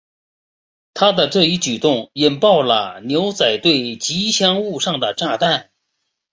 他的这一举动引爆了牛仔队吉祥物上的炸弹。